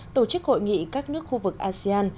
tổ chức hội nghị các nước khu vực asean